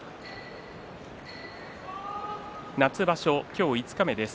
夏場所、今日五日目です。